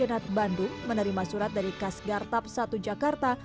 bandung menerima surat dari kas gartap satu jakarta